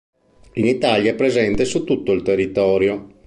In Italia è presente su tutto il territorio.